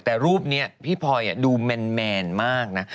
แต่รูปนี้พี่พลอยดูแมนมากนะ